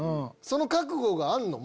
その覚悟があるの？